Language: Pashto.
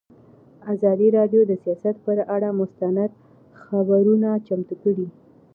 ازادي راډیو د سیاست پر اړه مستند خپرونه چمتو کړې.